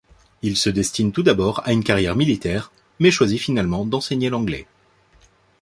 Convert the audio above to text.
Il se destine tout d'abord à une carrière militaire, mais choisit finalement d'enseigner l'anglais.